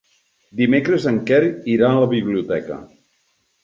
Dimecres en Quer irà a la biblioteca.